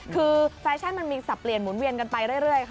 คือแฟชั่นมันมีสับเปลี่ยนหมุนเวียนกันไปเรื่อยค่ะ